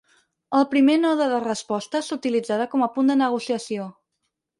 El primer node de resposta s'utilitzarà com a punt de negociació.